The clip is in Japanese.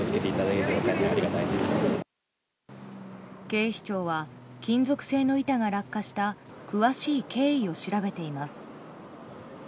警視庁は金属製の板が落下した詳しい経緯を調べています。